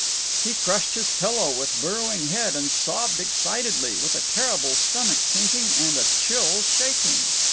He crushed his pillow with burrowing head and sobbed excitedly, with a terrible stomach sinking and a chill shaking.